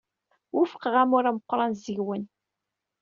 Wufqeɣ amur ameqran seg-wen.